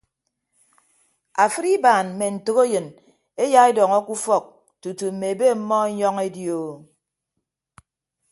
Afịd ibaan mme ntәkeyịn eya edọñọ ke ufọk tutu mme ebe ọmmọ enyọñ edi o.